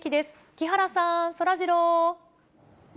木原さん、そらジロー。